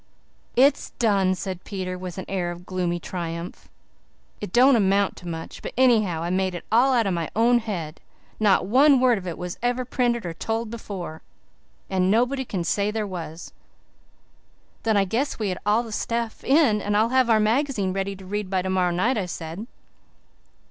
"It's done," said Peter, with an air of gloomy triumph. "It don't amount to much, but anyhow I made it all out of my own head. Not one word of it was ever printed or told before, and nobody can say there was." "Then I guess we have all the stuff in and I'll have Our Magazine ready to read by tomorrow night," I said.